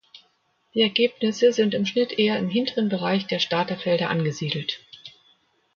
Die Ergebnisse sind im Schnitt eher im hinteren Bereich der Starterfelder angesiedelt.